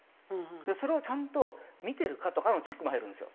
それをちゃんと見てるかとかのチェックも入るんですよ。